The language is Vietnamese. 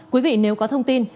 quý vị nếu có thông tin